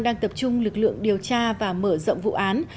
đang tập trung lực lượng điều tra và mở rộng vụ án